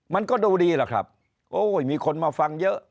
มันก็ดูดีล่ะครับโอ้ยมีคนมาฟังเยอะ